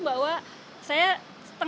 bahwa saya tengah berdiri